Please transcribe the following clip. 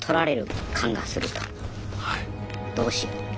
どうしよう。